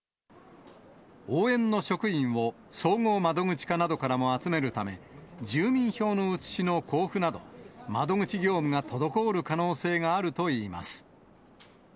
応援の職員を総合窓口課などからも集めるため、住民票の写しの交付など、窓口業務が滞る可能性があるといいます。